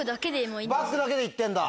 バッグだけで行ってんだ。